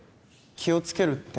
気をつけるって？